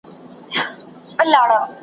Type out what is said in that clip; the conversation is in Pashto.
چې زه يې هر کتاب لولم